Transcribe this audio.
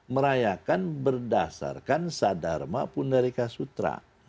merayakan berdasarkan sadharma punerika sutra